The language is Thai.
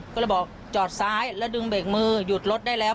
ก็เลยบอกจอดซ้ายแล้วดึงเบรกมือหยุดรถได้แล้ว